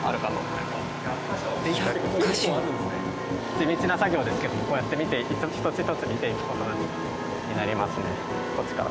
地道な作業ですけどこうやって見て一つ一つ見ていく事になりますね。こっちから。